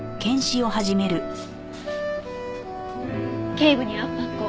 頸部に圧迫痕。